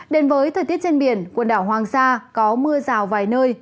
đến với thời tiết trên biển quần đảo hoàng sa có mưa rào vài nơi